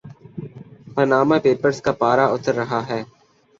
Panama papers کا پارہ اتر رہا ہے۔